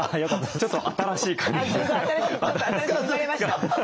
ちょっと新しいの生まれました？